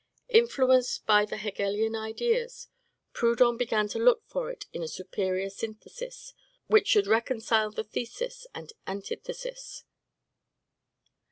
Influenced by the Hegelian ideas, Proudhon began to look for it in a superior synthesis, which should reconcile the thesis and antithesis.